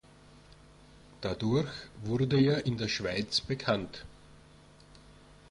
Dadurch wurde er in der Schweiz bekannt.